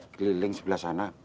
geliling sebelah sana